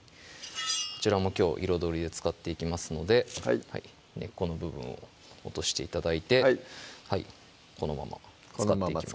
こちらもきょう彩りで使っていきますので根っこの部分を落として頂いてこのまま使っていきます